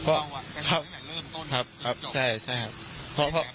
ก็คือใส่กันเลยครับตั้งแต่นั้นครับ